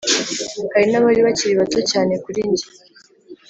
hari n’abari bakiri bato cyane kuri njye